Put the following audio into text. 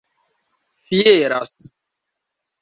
fieras